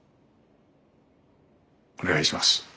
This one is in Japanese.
お願いします。